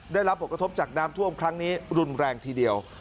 ได้รับผลกระทบจากน้ำท่วมครั้งนี้รุนแรงทีเดียว